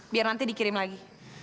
biar nanti dikirim lagi